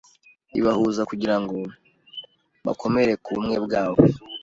ibahuza kugira ngo bakomere ku bumwe bwabo